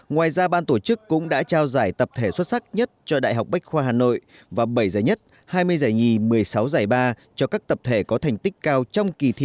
ngoài ra ban tổ chức cũng đã trao giải tập thể xuất sắc nhất cho đại học bách khoa hà nội và bảy giải nhất hai mươi giải nhì một mươi sáu giải ba cho các tập thể có thành tích cao trong kỳ thi